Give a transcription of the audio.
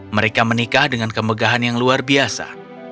mereka menikah dengan kemegahan yang luar biasa